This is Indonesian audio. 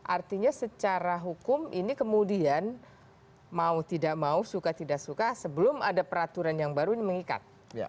artinya secara hukum ini kemudian mau tidak mau suka tidak suka sebelum ada peraturan yang baru ini mengikat